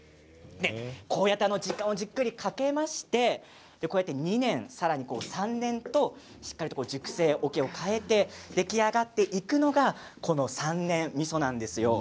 こうやって時間をじっくりかけまして２年さらに３年としっかりと熟成おけを変えて出来上がっていくのがこの三年みそなんですよ。